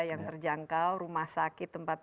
yang terjangkau rumah sakit tempat